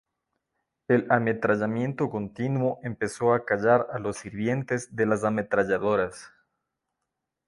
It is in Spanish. El ametrallamiento continuo empezó a acallar a los sirvientes de las ametralladoras.